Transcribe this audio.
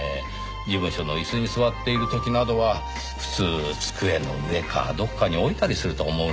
事務所の椅子に座っている時などは普通机の上かどこかに置いたりすると思うのですがねぇ。